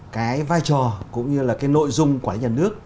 cái vai trò cũng như là cái nội dung của nhà nước